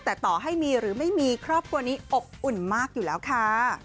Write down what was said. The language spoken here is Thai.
แต่ต่อให้มีหรือไม่มีครอบครัวนี้อบอุ่นมากอยู่แล้วค่ะ